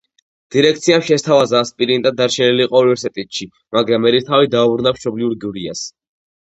დირექციამ შესთავაზა, ასპირანტად დარჩენილიყო უნივერსიტეტში, მაგრამ ერისთავი დაუბრუნდა მშობლიურ გურიას.